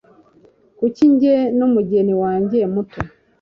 Kuri njye numugeni wanjye muto